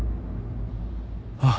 あっ。